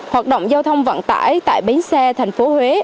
hoạt động giao thông vận tải tại bến xe thành phố huế